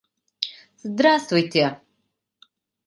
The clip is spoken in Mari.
Здраствуйте.